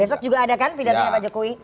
besok juga ada kan pidatonya pak jokowi